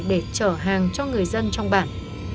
để trở hàng cho người dân trong bản